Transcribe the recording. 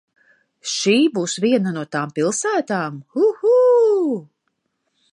Šī būs viena no tām pilsētām, huh?